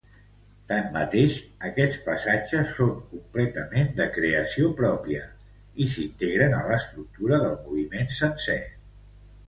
Tanmateix, aquests passatges són completament de creació pròpia, i s'integren a l'estructura del moviment sencer.